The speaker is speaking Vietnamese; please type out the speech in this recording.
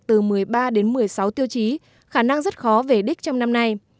từ một mươi ba đến một mươi sáu tiêu chí khả năng rất khó về đích trong năm nay